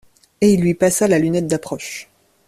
Et il lui passa la lunette d'approche.